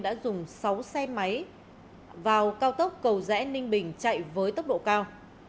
đã dùng sáu xe máy vào cao tốc cầu rẽ ninh bình chạy với tốc độ cao